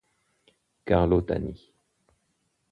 Carlo Tani